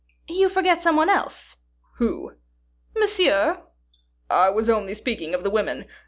"You forgot some one else." "Who?" "Monsieur." "I was only speaking of the women.